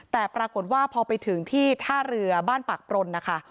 แต่ปรากฏว่าพอไปถึงที่ท่าเรือบ้านปากปรนนะคะ